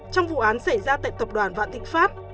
trong vụ án xảy ra tại tập đoàn vạn thịnh pháp